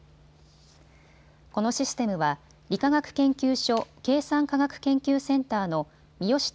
このシステムは理化学研究所計算科学研究センターの三好建